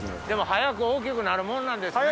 早く大きくなるもんなんですね。